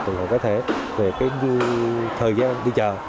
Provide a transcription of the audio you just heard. trường hộ cái thẻ về cái thời gian đi chợ